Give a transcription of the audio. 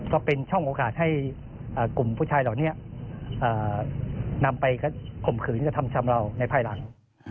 ก็เป็นช่องโอกาสให้กลุ่มผู้ชายเหล่านี้นำไปข่มขืนกระทำชำเราในภายหลัง